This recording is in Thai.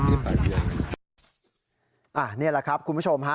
นี่แหละครับคุณผู้ชมฮะ